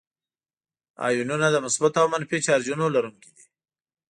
آیونونه د مثبتو او منفي چارجونو لرونکي دي.